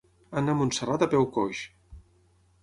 Anar a Montserrat a peu coix.